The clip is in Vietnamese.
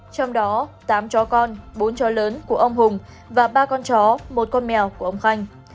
trong đó tám chó con bốn cháu lớn của ông hùng và ba con chó một con mèo của ông khanh